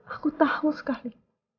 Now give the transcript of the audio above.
aku tahu sekali